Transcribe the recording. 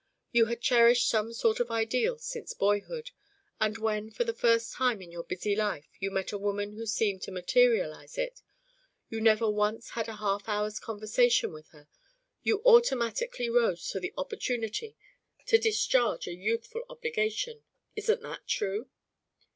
You had cherished some sort of ideal since boyhood, and when for the first time in your busy life you met a woman who seemed to materialise it you never once had a half hour's conversation with her! you automatically rose to the opportunity to discharge a youthful obligation. Isn't that true?"